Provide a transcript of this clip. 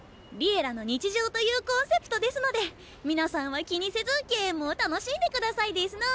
「『Ｌｉｅｌｌａ！』の日常」というコンセプトですので皆さんは気にせずゲームを楽しんで下さいですの。